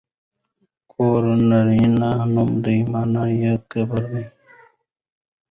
ګور نرينه نوم دی مانا يې کبر دی.